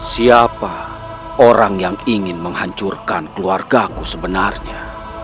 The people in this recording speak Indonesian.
siapa orang yang ingin menghancurkan keluarga aku sebenarnya